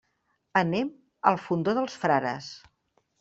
Anem al Fondó dels Frares.